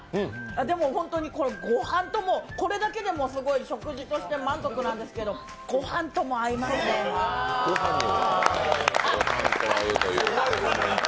でも、ホントにご飯とも、これだけでもすごい食事として満足なんですけど、ご飯とも合いますね、ああ。